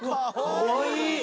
かわいい！